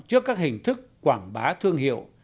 trước các hình thức quảng bá thương hiệu